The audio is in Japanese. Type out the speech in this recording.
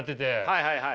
はいはいはい。